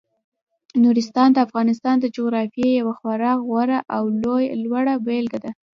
نورستان د افغانستان د جغرافیې یوه خورا غوره او لوړه بېلګه ده.